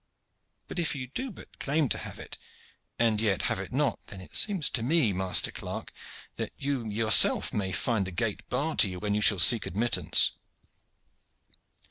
But if you do but claim to have it, and yet have it not, then it seems to me, master clerk, that you may yourself find the gate barred when you shall ask admittance."